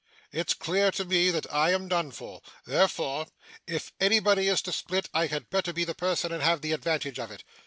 It's clear to me that I am done for. Therefore, if anybody is to split, I had better be the person and have the advantage of it.